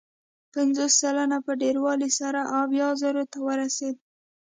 پنځوس سلنې په ډېروالي سره اویا زرو ته ورسېد.